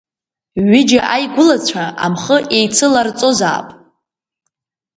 Ҩыџьа аигәылацәа амхы еицыларҵозаап.